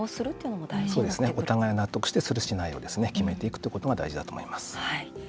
お互いに話をしてする、しないを決めていくことが大事だと思います。